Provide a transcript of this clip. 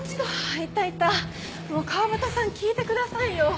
あいたいた川端さん聞いてくださいよ。